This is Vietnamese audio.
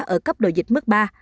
ở cấp độ dịch mức ba